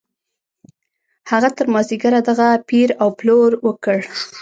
هغه تر مازديګره دغه پېر او پلور وکړ.